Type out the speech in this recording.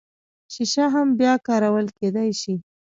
شیشه هم بیا کارول کیدی شي